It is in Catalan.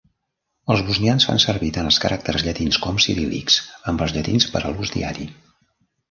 Els bosnians fan servir tant els caràcters llatins com ciríl·lics, amb els llatins per a l'ús diari.